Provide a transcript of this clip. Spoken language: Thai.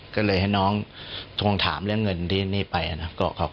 ก็เลยให้น้องทวงถามเรื่องเงินที่นี่ไปนะ